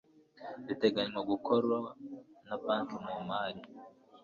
riteganywa gukorwa na banki mu mari